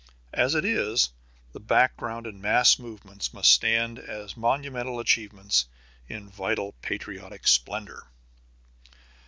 As it is, the background and mass movements must stand as monumental achievements in vital patriotic splendor.